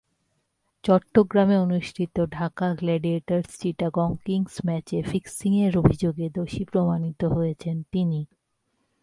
চট্টগ্রামে অনুষ্ঠিত Dhaka Gladiators Chittagong Kings ম্যাচে ফিক্সিংয়ের অভিযোগে দোষী প্রমাণিত হয়েছেন তিনি।